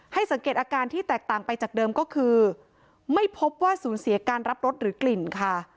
สังเกตอาการที่แตกต่างไปจากเดิมก็คือไม่พบว่าสูญเสียการรับรสหรือกลิ่นค่ะ